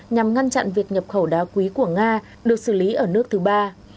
nhằm ngăn chặn việc nhập khẩu đá quý của nga được xử lý ở nước thứ ba